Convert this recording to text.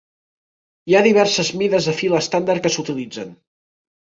Hi ha diverses mides de fil estàndard que s'utilitzen.